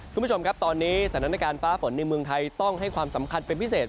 คุณผู้ชมครับตอนนี้สถานการณ์ฟ้าฝนในเมืองไทยต้องให้ความสำคัญเป็นพิเศษ